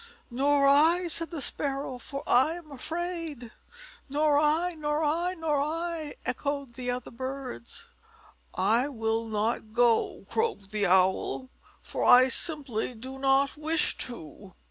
"Nor I," said the Sparrow, "for I am afraid." "Nor I!" "Nor I!" "Nor I!" echoed the other birds. "I will not go," croaked the Owl, "for I simply do not wish to."